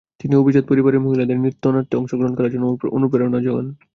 তিনি অভিজাত পরিবারের মহিলাদের নৃত্যনাট্যে অংশগ্রহণ করার জন্য অনুপ্রেরণা যোগান।